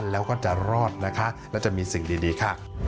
แล้วก็จะรอดนะคะและจะมีสิ่งดีค่ะ